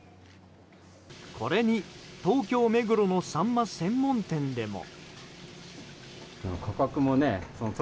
これに、東京・目黒のサンマ専門店でも。